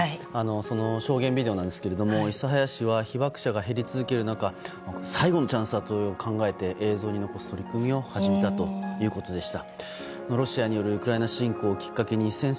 その証言ビデオなんですが諫早市は被爆者が減り続ける中最後のチャンスだと考えて映像に残す取り組みを始めたということでした。